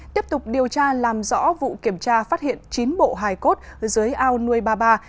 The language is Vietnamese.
tiếp tục điều tra làm rõ vụ kiểm tra phát hiện chín bộ hài cốt dưới ao nuôi ba ba